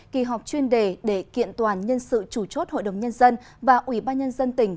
kỳ họp chuyên đề để kiện toàn nhân sự chủ chốt hội đồng nhân dân và ủy ban nhân dân tỉnh